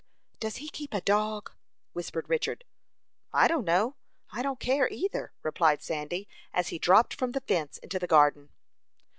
"Does he keep a dog?" whispered Richard. "I don't know; I don't care, either," replied Sandy, as he dropped from the fence into the garden.